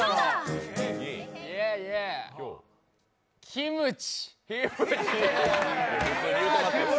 キムチ！